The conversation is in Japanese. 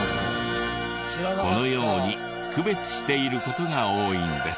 このように区別している事が多いんです。